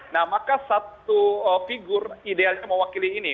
nah maka satu figur idealnya mewakili ini